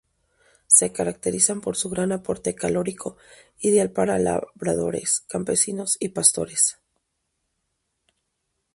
Se caracterizan por su gran aporte calórico, ideal para labradores, campesinos y pastores.